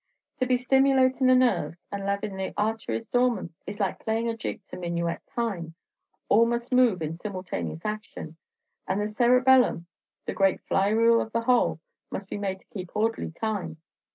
To be stimulatin' the nerves, and lavin' the arteries dormant, is like playing a jig to minuet time, all must move in simultaneous action; and the cerebellum, the great flywheel of the whole, must be made to keep orderly time.